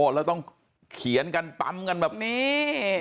แล้วต้องเขียนกันปั๊มกันแบบนี้